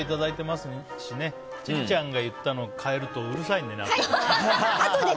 千里ちゃんが言ったのを変えるとうるさいんでね、あとで。